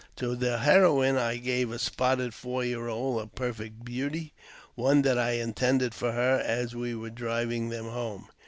To the heroine I gave a spotted four year old, a perfect beauty, one that I had intended for her as we were driving them home.